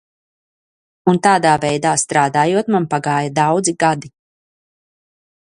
Un tādā veidā strādājot man pagāja daudzi gadi.